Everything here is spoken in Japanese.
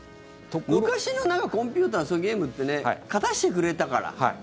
昔のコンピューターそういうゲームって勝たせてくれてたから。